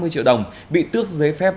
ba mươi triệu đồng bị tước giấy phép